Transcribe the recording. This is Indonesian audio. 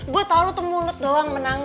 gue tau lu tuh mulut doang menang